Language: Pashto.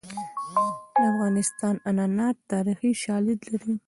د افغانستان عنعنات تاریخي شالید لري.